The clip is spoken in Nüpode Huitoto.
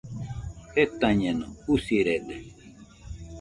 Jetañeno, usirede